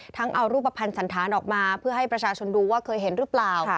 เอารูปภัณฑ์สันธารออกมาเพื่อให้ประชาชนดูว่าเคยเห็นหรือเปล่า